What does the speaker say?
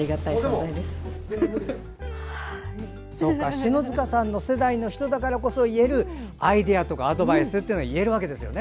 篠塚さんの世代の人だからこそ言えるアイデアとかアドバイスってあるわけですよね。